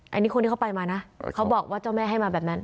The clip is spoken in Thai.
อันนี้คนที่เขาไปมานะเขาบอกว่าเจ้าแม่ให้มาแบบนั้น